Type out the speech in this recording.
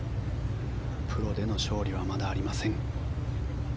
プロでの勝利はまだありません。